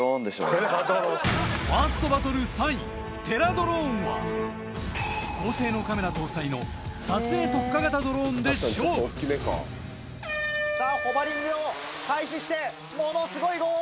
ファーストバトル３位テラドローンは高性能カメラ搭載の撮影特化型ドローンで勝負ホバリングを開始してものすごいごう音！